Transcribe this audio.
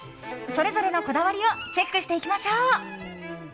それぞれのこだわりをチェックしていきましょう。